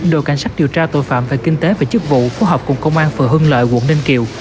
đội cảnh sát điều tra tội phạm về kinh tế và chức vụ phối hợp cùng công an phường hưng lợi quận ninh kiều